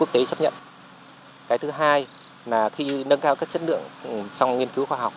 cái thứ hai là khi nâng cao các chất lượng trong nghiên cứu khoa học